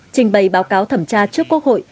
trình bày báo cáo thẩm tra trước quốc hội